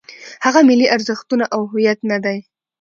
هغه ملي ارزښتونه او هویت نه دی.